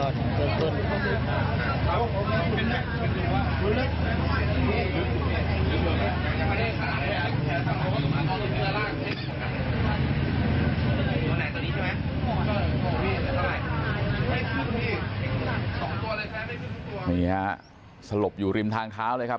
นี่ฮะสลบอยู่ริมทางเท้าเลยครับ